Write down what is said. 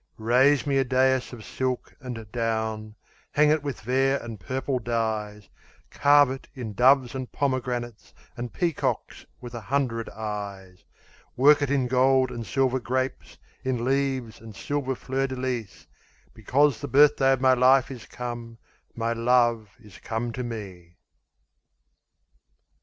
Raise me a dais of silk and down; Hang it with vair and purple dyes; Carve it in doves and pomegranates, And peacocks with a hundred eyes; Work it in gold and silver grapes, In leaves and silver fleurs de lys; Because the birthday of my life Is come, my love is come to me.